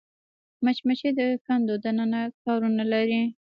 مچمچۍ د کندو دننه کارونه لري